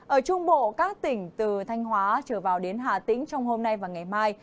ở trung bộ các tỉnh từ thanh hóa trở vào đến hà tĩnh trong hôm nay và ngày mai